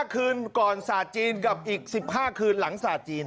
คืนก่อนศาสตร์จีนกับอีก๑๕คืนหลังศาสตร์จีน